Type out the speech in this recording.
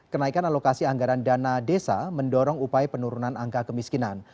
kenaikan alokasi anggaran dana desa mendorong upaya penurunan angka kemiskinan